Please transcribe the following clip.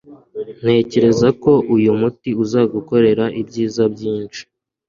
Ntekereza ko uyu muti uzagukorera ibyiza byinshi.